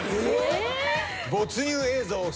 没入映像を。